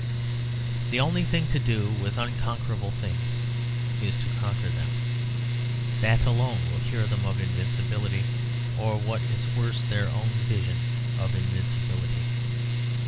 The only thing to do with unconquerable things is to conquer them. That alone will cure them of invincibility; or what is worse, their own vision of invincibility.